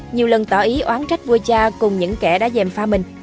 nhiều lần tỏ ý oán trách vua cha cùng những kẻ đã dèm pha mình